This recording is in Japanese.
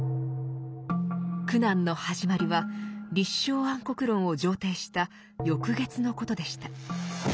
苦難の始まりは「立正安国論」を上呈した翌月のことでした。